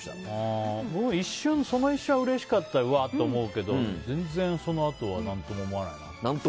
僕もその一瞬はうれしかったりうわって思うけど全然、そのあとは何とも思わないな。